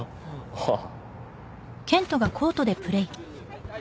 はあ？